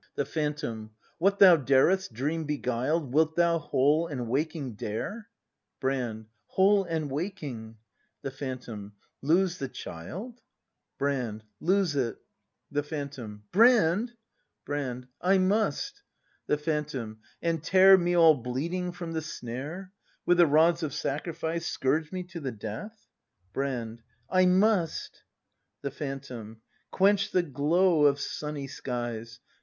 The Phantom. What thou dared 'st, dream beguiled, Wilt thou, whole and waking, dare ? Brand. Whole and waking. Lose it. The Phantom. Lose the child ? Brand. The Phantom. Brand ! Brand. I must. The Phantom. And tear Me all bleeding from the snare ? With the rods of sacrifice Scourge me to the death.? Brand. I must. The Phantom. Quench the glow of sunny skies.